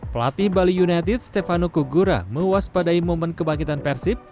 pelatih bali united stefano kugura mewaspadai momen kebangkitan persib